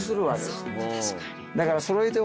だから。